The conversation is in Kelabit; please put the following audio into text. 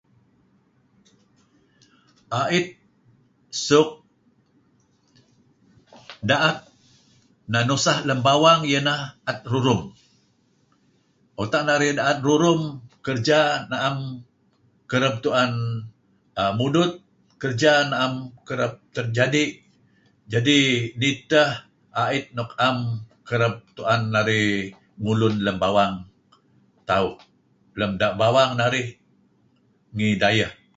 A'it... suk ... da'et... neh nuseh lem bawang ieh ineh a'et ... rurum. Utak narih da'et rurum kereja na'em kereb tu'en...aaa mudut. Kereja na; em kereb terjadi'. Jadi'... nih edteh a'it nuk na'em kereb tu'en narih ngulun lem bawang tauh, lem bawang narih ngi dayeh.